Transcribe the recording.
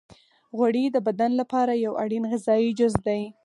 غوړې د بدن لپاره یو اړین غذایي جز دی.